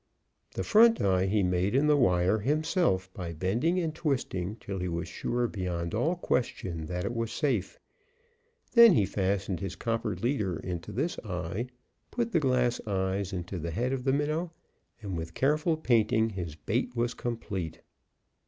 The front eye he made in the wire himself by bending and twisting till he was sure beyond all question that it was safe. Then he fastened his copper leader into this eye, put the glass eyes into the head of the minnow, and with careful painting his bait was complete.